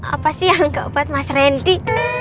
apa sih yang gak buat mas randy